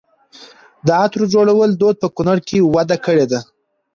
د عطرو جوړولو دود په کونړ کې وده کړې ده.